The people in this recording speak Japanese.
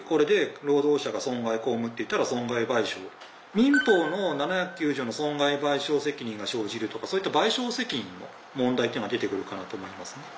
民法の７０９条の損害賠償責任が生じるとかそういった賠償責任の問題っていうのが出てくるかなと思いますね。